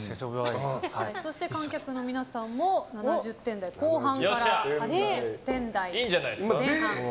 そして観客の皆さんも７０点台後半から８０点台の前半。